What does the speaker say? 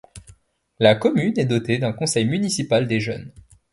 La commune est dotée d'un conseil municipal des jeunes.